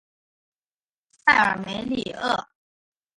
塞尔梅里厄。